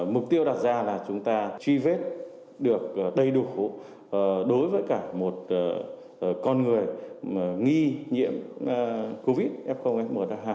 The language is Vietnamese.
mục tiêu đặt ra là chúng ta truy vết được đầy đủ đối với cả một con người nghi nhiễm covid một mươi chín f f một f hai